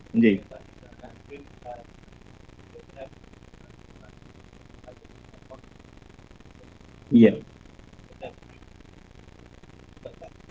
mungkin kepolisian forest batang